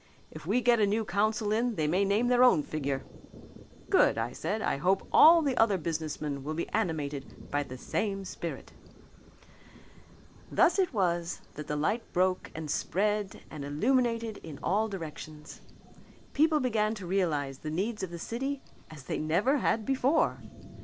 If we get a new council in they may name their own figure.' 'Good,' I said. 'I hope all the other businessmen will be animated with the same spirit.'" Thus it was that the light broke and spread and illuminated in all directions. People began to realize the needs of the city as they never had before.